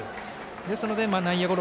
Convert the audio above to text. ですので、内野ゴロ